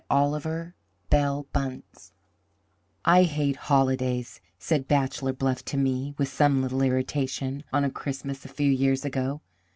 OLIVER BELL BUNCE "I hate holidays," said Bachelor Bluff to me, with some little irritation, on a Christmas a few years ago.